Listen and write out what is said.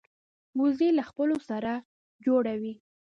وزې له خپلو سره جوړه وي